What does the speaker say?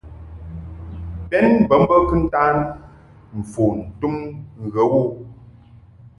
Bɛn bə mbə kɨntan mfon kum ghə wuʼ.